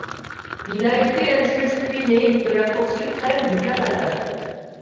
Il a été un juge puîné de la Cour suprême du Canada.